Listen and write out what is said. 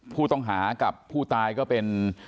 ผู้ต้องหากับผู้ตายก็เป็น